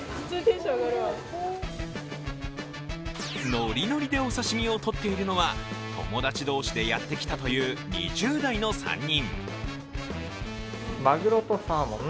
ノリノリでお刺身をとっているのは友達同士でやってきたという２０代の３人。